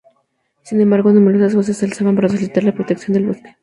Sin embargo, numerosas voces se alzaban para solicitar la protección del bosque.